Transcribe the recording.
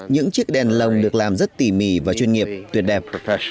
những chiếc đèn lồng được làm rất tỉ mỉ và chuyên nghiệp tuyệt đẹp